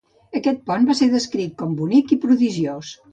Aquest pont va ser descrit com bonic i prodigiós.